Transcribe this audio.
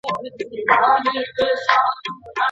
عمومي مفکورې جزئیاتو ته لار پرانیزي.